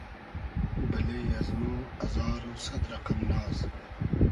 بئلې از مۉ ازار و سئد رئقئم ناز